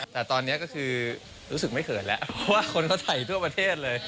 แต่ตอนนี้ก็คือรู้สึกไม่เขินแล้วเพราะว่าคนเขาถ่ายทั่วประเทศเลย